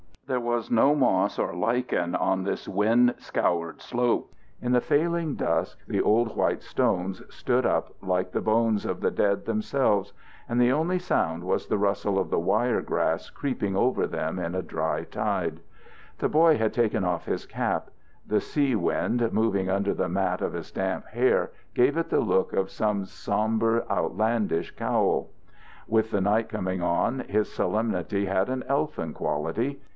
There was no moss or lichen on this wind scoured slope. In the falling dusk the old white stones stood up like the bones of the dead themselves, and the only sound was the rustle of the wire grass creeping over them in a dry tide. The boy had taken off his cap; the sea wind moving under the mat of his damp hair gave it the look of some somber, outlandish cowl. With the night coming on, his solemnity had an elfin quality.